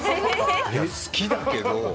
いや、好きだけど。